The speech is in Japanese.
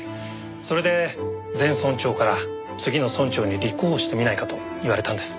それで前村長から次の村長に立候補してみないかと言われたんです。